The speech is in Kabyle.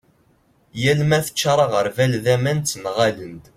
yal ma teččar aγerbal d aman ttenγalen-d